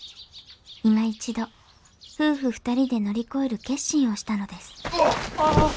いま一度夫婦二人で乗り越える決心をしたのですあっ！